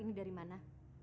surat ini dari mana